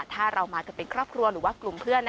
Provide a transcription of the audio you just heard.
ถ้าเรามากันเป็นครอบครัวหรือว่ากลุ่มเพื่อน